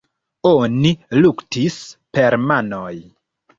Oni luktis per manoj.